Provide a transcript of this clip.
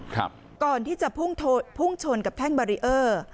ก่อนที่จะพุ่งชนกับแท่งบารีเออร์